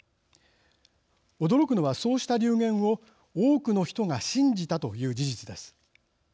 驚くのはそうした流言を多くの人が信じたという事実です。